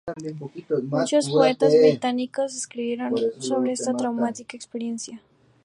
Muchos poetas británicos escribieron sobre esta traumática experiencia.